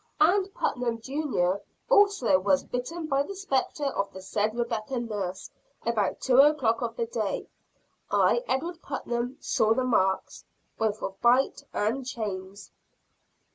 Ann Putnam, Jr., also was bitten by the spectre of the said Rebecca Nurse about two o'clock of the day. I, Edward Putnam, saw the marks, both of bite and chains."